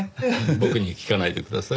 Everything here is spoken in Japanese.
僕に聞かないでください。